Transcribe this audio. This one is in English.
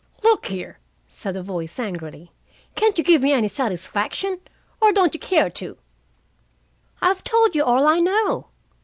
"Look here," said the voice angrily, "can't you give me any satisfaction? Or don't you care to?" "I've told you all I know."